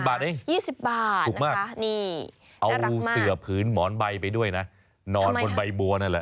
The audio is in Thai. ๒๐บาทเองอีกถูกมากเอ้าเสือผืนหมอนใบไปด้วยนะนอนบนใบบัวนั่นแหละ